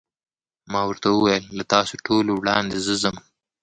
ما ورته وویل: له تاسو ټولو وړاندې زه ځم.